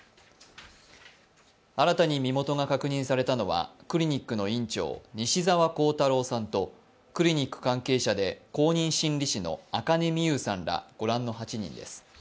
新たに身元が確認されたのはクリニックの院長、西澤弘太郎さんとクリニック関係者で公認心理士の赤根美結さんら、御覧の８人です。